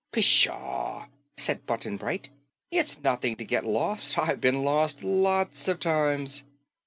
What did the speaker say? "Pshaw," said Button Bright, "it's nothing to get lost. I've been lost lots of times."